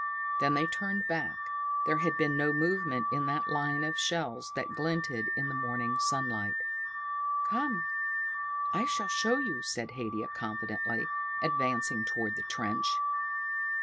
Then they turned back. There had been no movement in that line of shells that glinted in the morning sunlight. "Come, I shall show you," said Haidia confidently, advancing toward the trench.